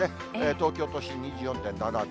東京都心２４．７度。